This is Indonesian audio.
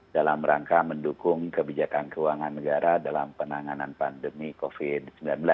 dalam rangka mendukung kebijakan keuangan negara dalam penanganan pandemi covid sembilan belas